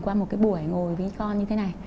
qua một buổi ngồi với con như thế này